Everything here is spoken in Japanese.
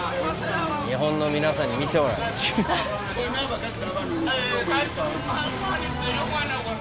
日本の皆さんに見てもらえ。